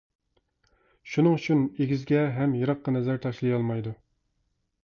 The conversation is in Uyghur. شۇنىڭ ئۈچۈن ئېگىزگە ھەم يىراققا نەزەر تاشلىيالمايدۇ.